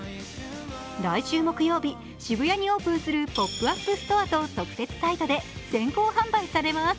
来週木曜日、渋谷にオープンするホイップアップストアと特設サイトで先行販売されます。